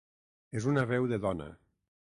És una veu de dona.